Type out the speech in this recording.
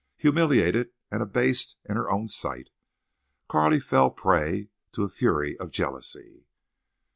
Humiliated, and abased in her own sight, Carley fell prey to a fury of jealousy.